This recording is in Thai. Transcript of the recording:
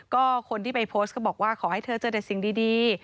ก็คนที่ไปโพสต์ก็บอกว่าขอให้เธอเจอแต่สิ่งดี